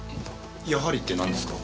やはりってなんですか？